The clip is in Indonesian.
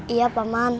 iya pak man